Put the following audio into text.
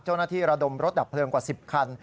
เจ้าหน้าที่ระดมรถดับเพลิงกว่าสิบคัน